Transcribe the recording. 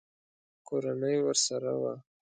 کورنۍ ورسره وه.